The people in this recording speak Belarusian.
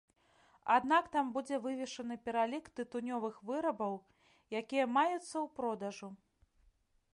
Аднак там будзе вывешаны пералік тытунёвых вырабаў, якія маюцца ў продажу.